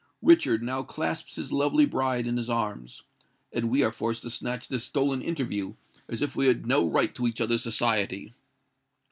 Richard now clasps his lovely bride in his arms—and we are forced to snatch this stolen interview, as if we had no right to each other's society!"